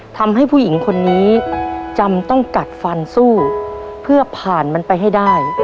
ทำให้ผู้หญิงคนนี้จำต้องกัดฟันสู้เพื่อผ่านมันไปให้ได้